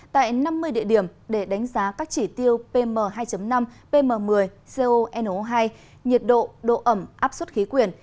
tại năm mươi địa điểm để đánh giá các chỉ tiêu pm hai năm pm một mươi cono hai nhiệt độ độ ẩm áp suất khí quyển